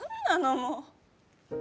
もう。